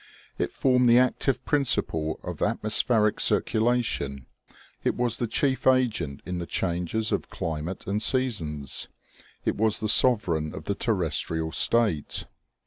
It formed the active principle of atmospheric circulation ; it was the chief agent in the changes of cli mate and seasons ; it was the sovereign of the terrestrial state.